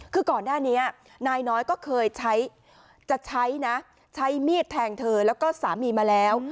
คือก่อนหน้านี้นายน้อยก็เคยใช้จะใช้นะใช้มีดแทงเธอแล้วก็สามีมาแล้ว